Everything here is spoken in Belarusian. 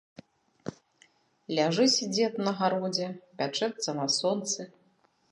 Ляжыць дзед на гародзе, пячэцца на сонцы.